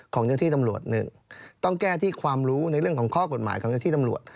ของเจ้าที่ตำรวจหนึ่งต้องแก้ที่ความรู้ในเรื่องของข้อกฎหมายของเจ้าที่ตำรวจ